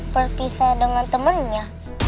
perpisah dengan temennya